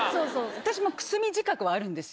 私もくすみ自覚はあるんですよ。